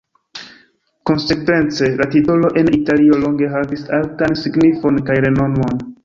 Konsekvence, la titolo en Italio longe havis altan signifon kaj renomon.